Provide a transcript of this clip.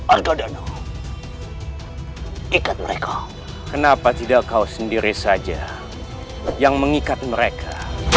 ada dan oh ikat mereka kenapa tidak kau sendiri saja yang mengikat mereka